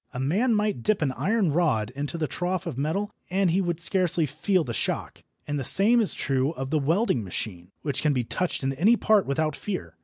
A man might dip an iron rod into the trough of metal and he would scarcely feel the shock. And the same is true of the welding machine, which can be touched in any part without fear.